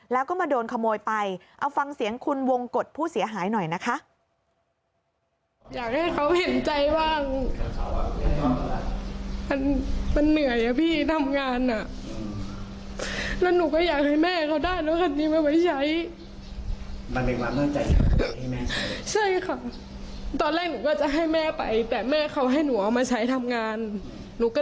แล้วก็มาโดนขโมยไปเอาฟังเสียงคุณวงกฎผู้เสียหายหน่อยนะคะ